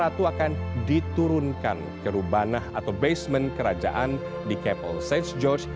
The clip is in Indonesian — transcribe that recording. dan ratu akan diturunkan ke rubanah atau basement kerajaan di kapel st george